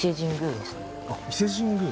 伊勢神宮？